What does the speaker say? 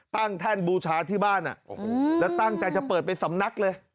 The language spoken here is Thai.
แท่นบูชาที่บ้านแล้วตั้งใจจะเปิดเป็นสำนักเลย